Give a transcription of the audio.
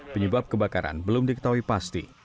penyebab kebakaran belum diketahui pasti